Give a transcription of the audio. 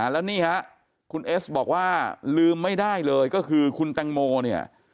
แล้วนี่ฮะคุณเอสบอกว่าลืมไม่ได้เลยก็คือคุณแตงโมเนี่ย